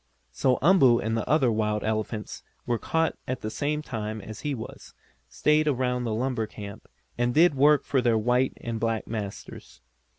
So Umboo and the other wild elephants who were caught at the same time as he was, stayed around the lumber camp, and did work for their white and black masters.